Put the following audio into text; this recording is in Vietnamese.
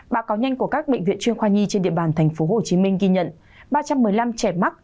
báo cáo nhanh của các bệnh viện chuyên khoa nhi trên địa bàn tp hcm ghi nhận ba trăm một mươi năm trẻ mắc